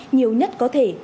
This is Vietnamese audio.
nhiều nhất có thể